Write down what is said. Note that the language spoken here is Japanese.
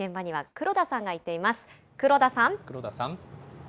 黒田さん。